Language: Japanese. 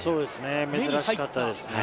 珍しかったですね。